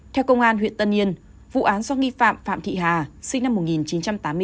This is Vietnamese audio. theo công an huyện tân yên vụ án do nghi phạm phạm thị hà sinh năm một nghìn chín trăm tám mươi bốn